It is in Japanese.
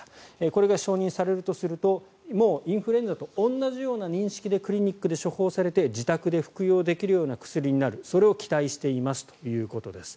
これが承認されるとするともうインフルエンザと同じような認識でクリニックで処方されて自宅で服用されるような薬になるそれを期待していますということです。